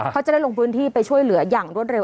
เขาจะได้ลงพื้นที่ไปช่วยเหลืออย่างรวดเร็